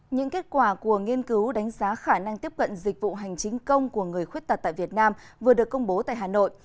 những kết quả của nghiên cứu đánh giá khả năng tiếp cận dịch vụ hành chính công của người khuyết tật tại việt nam vừa được công bố tại hà nội